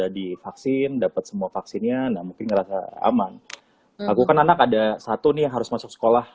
divaksin dapat semua vaksinnya nah mungkin ngerasa aman aku kan anak ada satu nih harus masuk sekolah